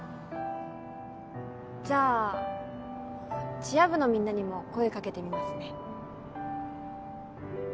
じゃあチア部のみんなにも声かけてみますね。